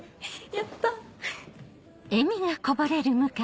やった！